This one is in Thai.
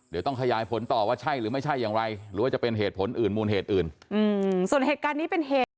เดี๋ยวต้องขยายผลต่อว่าใช่หรือไม่ใช่อย่างไรหรือว่าจะเป็นเหตุผลอื่นมูลเหตุอื่น